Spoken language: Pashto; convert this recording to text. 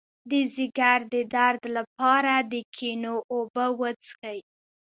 د ځیګر د درد لپاره د ګنیو اوبه وڅښئ